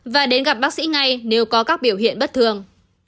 và đến gặp bác sĩ ngay nếu có các biểu hiện bất thường